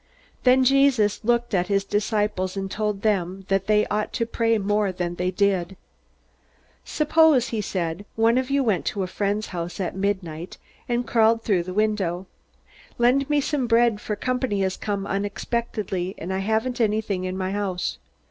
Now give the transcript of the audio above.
Then Jesus looked at his disciples, and told them that they ought to pray more than they did. "Suppose," he said, "one of you went to a friend's house at midnight, and called through the window, 'Lend me some bread, for company has come unexpectedly and I haven't anything in my house.'